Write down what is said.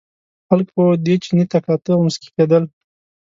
خلکو دې چیني ته کاته او مسکي کېدل.